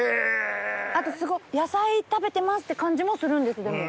あとすごく野菜食べてますって感じもするんですでも。